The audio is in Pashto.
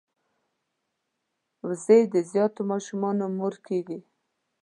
وزې د زیاتو ماشومانو مور کیږي